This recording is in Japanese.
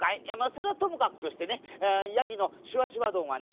それはともかくとしてねヤギのしわしわどんはね